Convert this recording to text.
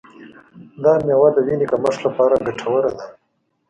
دا میوه د وینې کمښت لپاره ګټوره ده.